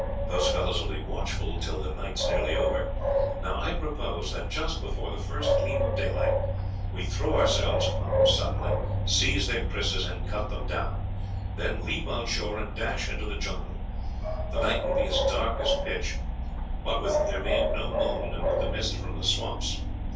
Those fellows will be watchful till the night is nearly over. Now, I propose that, just before the first gleam of daylight, we throw ourselves upon them suddenly, seize their krises, and cut them down, then leap on shore, and dash into the jungle. The night will be as dark as pitch, what with there being no moon and with the mist from the swamps.